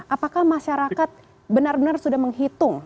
apakah masyarakat benar benar sudah menghitung